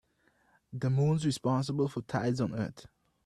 The moon is responsible for tides on earth.